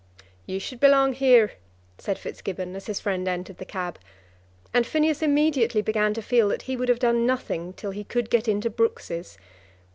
"You should belong here," said Fitzgibbon as his friend entered the cab, and Phineas immediately began to feel that he would have done nothing till he could get into Brooks's.